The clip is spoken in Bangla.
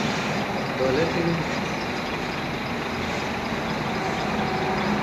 দলে তিনি মূলত ডানহাতি মিডিয়াম পেসার হিসেবে খেলতেন।